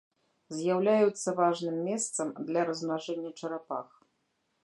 З'яўляюцца важным месцам для размнажэння чарапах.